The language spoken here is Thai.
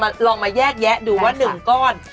อ่ะลองมาแยกดูว่า๑ก้อน